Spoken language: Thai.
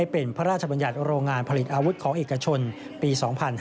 เป็นพระราชบัญญัติโรงงานผลิตอาวุธของเอกชนปี๒๕๕๙